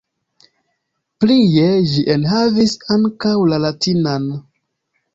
Plie ĝi enhavis ankaŭ la latinan.